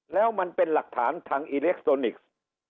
แล้วมันเป็นหลักฐานทางอิเล็กทรอนิกส์